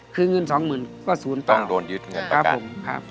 คือเงินสองหมื่นก็ศูนย์ต้องโดนยึดเงินครับผมครับ